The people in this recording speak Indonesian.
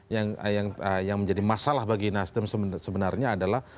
yang yang yang menjadi masalah bagi nasdem sebenarnya adalah